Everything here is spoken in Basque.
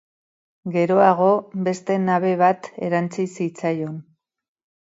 Geroago, beste nabe bat erantsi zitzaion.